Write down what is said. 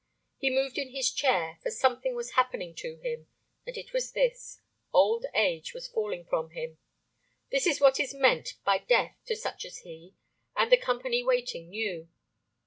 He moved in his chair, for something was happening to him, and it was this, old age was falling from him. This is what is meant by death to such as he, and the company waiting knew.